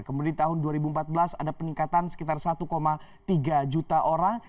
kemudian di tahun dua ribu empat belas ada peningkatan sekitar satu tiga juta orang